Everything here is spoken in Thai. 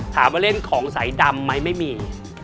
ถามว่าเรื่องของใสดำเป็นไหมไม่มี